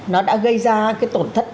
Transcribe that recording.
nó đã gây ra cái tổn thất